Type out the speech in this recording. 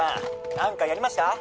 何かやりました？